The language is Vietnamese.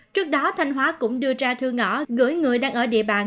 trước đó thanh hóa cũng đưa ra thư ngõ gửi người đang ở địa bàn